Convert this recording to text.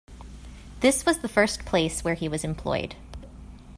This was the first place where he was employed.